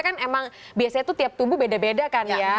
karena kita tubuh beda beda kan ya